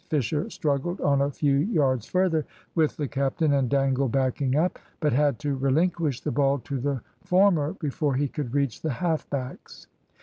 Fisher struggled on a few yards further with the captain and Dangle backing up, but had to relinquish the ball to the former before he could reach the half backs.